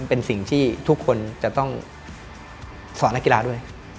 เป็นสิ่งที่ทุกคนจะต้องสอนนักกีฬาด้วย